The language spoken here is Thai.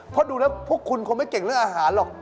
เพราะดูแล้วพวกคุณคงไม่เก่งเรื่องอาหารหรอก